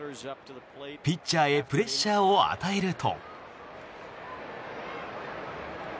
ピッチャーへプレッシャーを与えると。